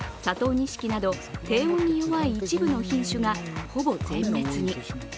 錦など低温に弱い一部の品種が、ほぼ全滅に。